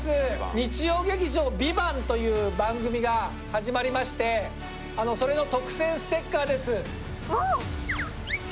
日曜劇場「ＶＩＶＡＮＴ」という番組が始まりましてあのそれの特製ステッカーです